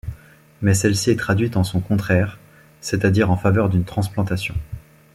Mais celle-ci est traduite en son contraire, c'est-à-dire en faveur d'une transplantation.